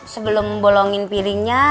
sebelum bolongin piringnya